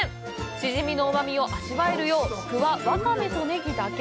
シジミのうまみを味わえるよう具はワカメとネギだけ。